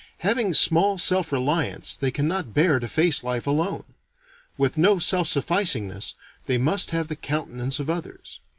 Having small self reliance they can not bear to face life alone. With no self sufficingness, they must have the countenance of others.